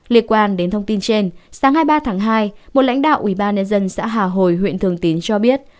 liên quan đến thông tin trên sáng hai mươi ba tháng hai một lãnh đạo ủy ban nhân dân xã hà hồi huyện thường tín cho biết